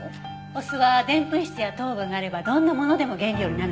お酢はでんぷん質や糖分があればどんなものでも原料になるのよ。